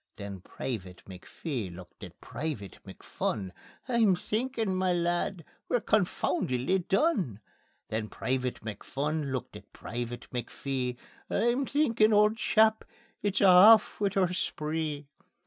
Then Private McPhee looked at Private McPhun: "I'm thinkin', ma lad, we're confoundedly done." Then Private McPhun looked at Private McPhee: "I'm thinkin' auld chap, it's a' aff wi' oor spree."